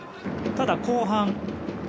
ただ、後半。